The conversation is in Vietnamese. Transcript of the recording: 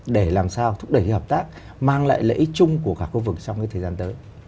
để làm sao thúc đẩy hợp tác mang lại lợi ích chung của cả khu vực trong cái thời gian tới